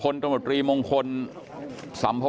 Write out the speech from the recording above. กลุ่มตัวเชียงใหม่